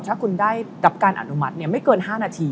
ถ้าคุณได้รับการอนุมัติไม่เกิน๕นาที